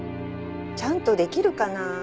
ちゃんとできるかなあ。